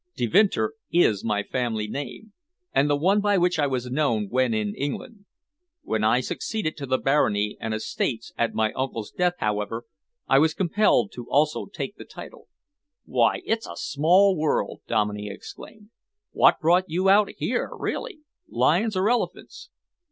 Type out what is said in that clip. "Devinter is my family name, and the one by which I was known when in England. When I succeeded to the barony and estates at my uncle's death, however, I was compelled to also take the title." "Well, it's a small world!" Dominey exclaimed. "What brought you out here really lions or elephants?"